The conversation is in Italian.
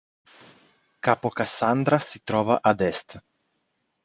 Capo Kassandra si trova ad est.